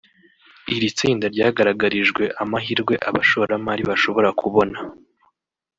iri tsinda ryagaragarijwe amahirwe abashoramari bashobora kubona